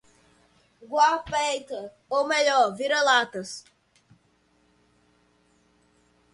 Guapeica, ou melhor, vira-latas